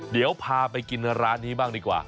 เดี๋ยวพาไปกินร้านนี้บ้างดีกว่า